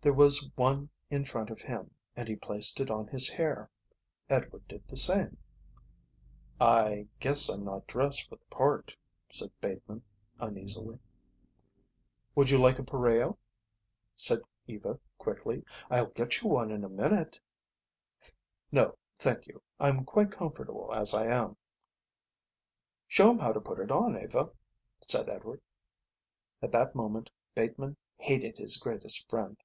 There was one in front of him and he placed it on his hair. Edward did the same. "I guess I'm not dressed for the part," said Bateman, uneasily. "Would you like a pareo?" said Eva quickly. "I'll get you one in a minute." "No, thank you. I'm quite comfortable as I am." "Show him how to put it on, Eva," said Edward. At that moment Bateman hated his greatest friend.